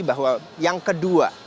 bahwa yang kedua